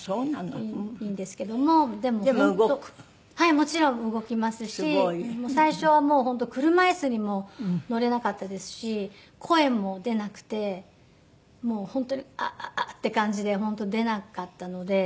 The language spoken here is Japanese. もちろん動きますし最初は本当車椅子にも乗れなかったですし声も出なくてもう本当に「あっあっあっ」っていう感じで本当出なかったので。